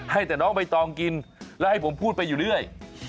ให้แต่น้องใบตองกินแล้วให้ผมพูดไปอยู่เรื่อย